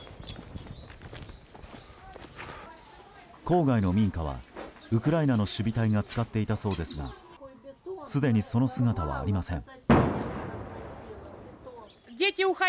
郊外の民家はウクライナの守備隊が使っていたそうですがすでに、その姿はありません。